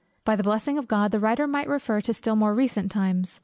By the blessing of God the writer might refer to still more recent times.